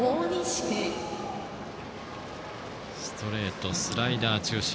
ストレートスライダー中心。